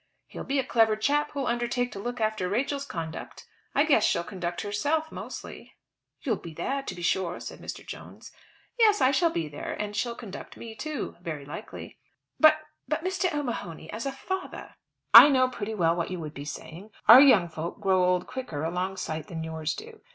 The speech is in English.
"He'll be a clever chap who'll undertake to look after Rachel's conduct. I guess she'll conduct herself mostly." "You'll be there to be sure," said Mr. Jones. "Yes, I shall be there; and she'll conduct me too. Very likely." "But, Mr. O'Mahony, as a father!" "I know pretty well what you would be saying. Our young folk grow old quicker a long sight than yours do.